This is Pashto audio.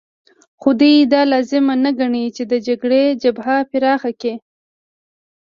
خو دوی دا لازم نه ګڼي چې د جګړې جبهه پراخه کړي